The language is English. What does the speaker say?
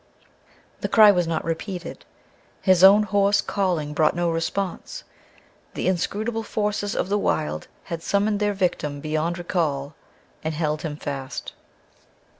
The cry was not repeated; his own hoarse calling brought no response; the inscrutable forces of the Wild had summoned their victim beyond recall and held him fast.